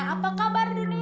apa kabar dunia